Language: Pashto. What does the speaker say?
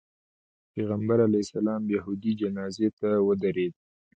پیغمبر علیه السلام یهودي جنازې ته ودرېده.